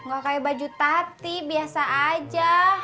gak kayak baju tati biasa aja